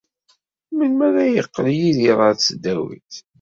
Melmi ara yeqqel Yidir ɣer tesdawit?